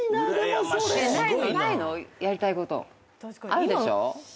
あるでしょ？